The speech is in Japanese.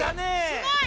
すごい！